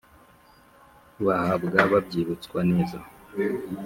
bahabwa babyibutswa neza.